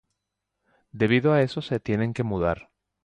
Debido a eso se tienen que mudar.